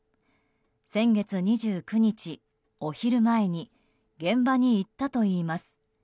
先月２９日、お昼前に現場に行ったといいます。